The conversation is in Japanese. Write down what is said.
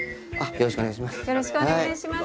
よろしくお願いします。